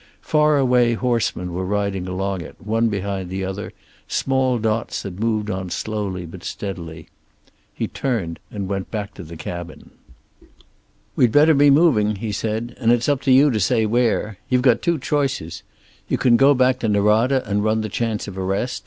Far away horsemen were riding along it, one behind the other, small dots that moved on slowly but steadily. He turned and went back to the cabin. "We'd better be moving," he said, "and it's up to you to say where. You've got two choices. You can go back to Norada and run the chance of arrest.